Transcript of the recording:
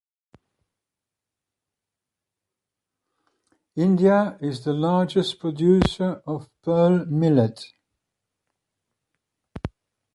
India is the largest producer of pearl millet.